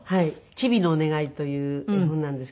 『チビのおねがい』という絵本なんですけど。